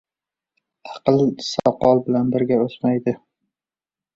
• Aql soqol bilan birga o‘smaydi.